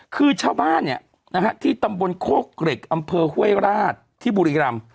คือชาวบ้านเนี่ยที่ตำบลโค้กกรกอำเภอเฮ่ยราชที่บุรีรัม